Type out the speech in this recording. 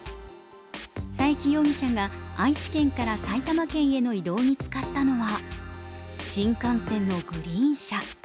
佐伯容疑者が愛知県から埼玉県への移動に使ったのは新幹線のグリーン車。